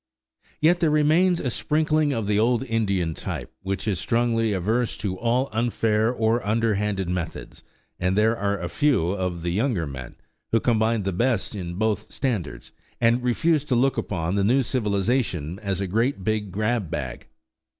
Yet there remains a sprinkling of the old Indian type, which is strongly averse to all unfair or underhanded methods; and there are a few of the younger men who combine the best in both standards, and refuse to look upon the new civilization as a great, big grab bag.